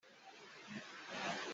Ram an hrannak ah tam nawn an thi.